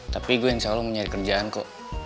tapi gue insya allah mau nyari kerjaan ko